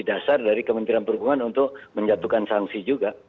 jadi dasar dari kementerian perhubungan untuk menjatuhkan sanksi juga